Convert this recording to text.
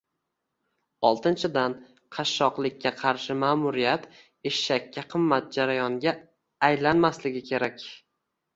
Oltinchidan, qashshoqlikka qarshi ma'muriyat "eshakka qimmat" jarayonga aylanmasligi kerak